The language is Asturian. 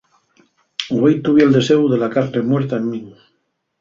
Güei tuvi el deséu de la carne muerta en min.